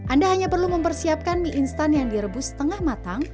anda hanya perlu mempersiapkan mie instan yang direbus setengah matang